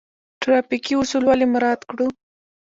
ټرافیکي اصول ولې مراعات کړو؟